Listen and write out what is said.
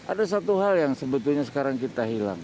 ada satu hal yang sebetulnya sekarang kita hilang